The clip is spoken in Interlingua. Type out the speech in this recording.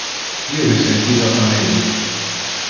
Io me sentiva famelic.